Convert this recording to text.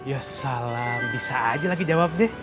yes salam bisa aja lagi jawab deh